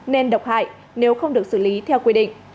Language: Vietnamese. nên độc hại nếu không được xử lý theo quy định